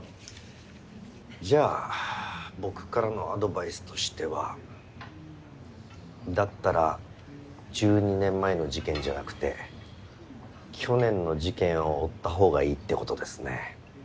じゃあ僕からのアドバイスとしてはだったら１２年前の事件じゃなくて去年の事件を追ったほうがいいってことですね。